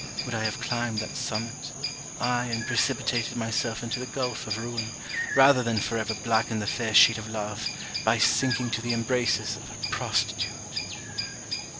would I have climbed that summit aye and precipitated myself into the gulph of ruin, rather than forever blacken the fair sheet of love, by sinking to the embraces of a prostitute!